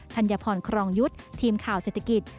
ธัญพรครองยุทธ์ทีมข่าวเศรษฐกิจ